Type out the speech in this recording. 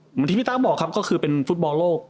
เหมือนที่พี่ต้าบอกครับก็คือเป็นฟุตบอลโลก